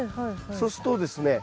そうするとですね